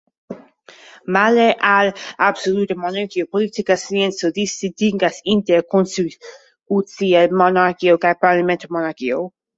Male al absoluta monarkio, politika scienco distingas inter konstitucia monarkio kaj parlamenta monarkio.